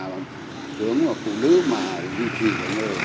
hướng vào phụ nữ mà duy trì cái nghề